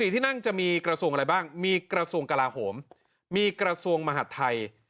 ที่นั่งจะมีกระทรวงอะไรบ้างมีกระทรวงกลาโหมมีกระทรวงมหาดไทย